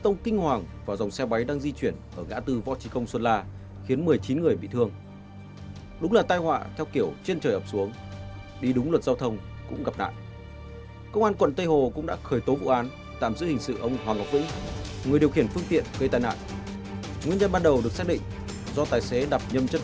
nguyên nhân ban đầu được xác định do tài xế đập nhầm chân phanh với chân gà